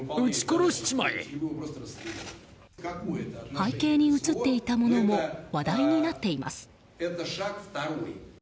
背景に映っていたものも話題になっています。